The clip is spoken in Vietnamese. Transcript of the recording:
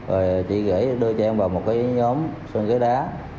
rồi chị gửi đưa cho em vào một cái nhóm sơn ghế đá